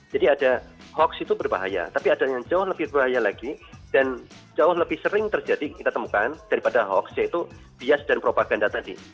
jadi ada hoax itu berbahaya tapi ada yang jauh lebih berbahaya lagi dan jauh lebih sering terjadi kita temukan daripada hoax yaitu bias dan propaganda tadi